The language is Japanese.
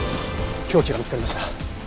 凶器が見つかりました。